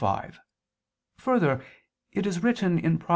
5: Further, it is written (Prov.